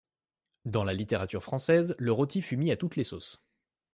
Dans la littérature française, le rôti fut mis à toutes les sauces.